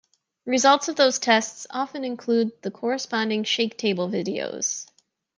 Results of those tests often include the corresponding shake-table videos.